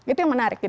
itu yang menarik